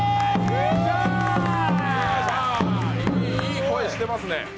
いい声してますね。